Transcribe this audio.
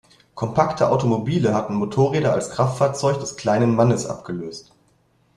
Kompakte Automobile hatten Motorräder als Kraftfahrzeug des „kleinen Mannes“ abgelöst.